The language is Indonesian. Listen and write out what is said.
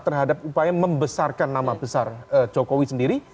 terhadap upaya membesarkan nama besar jokowi sendiri